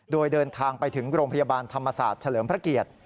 โดยเดินทางไปถึงโรงพยาบาลธรรมศาสตร์เฉลิมพระเกียรติ